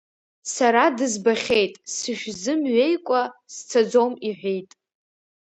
Сара дызбахьеит, сышәзымҩеикәа сцаӡом иҳәеит.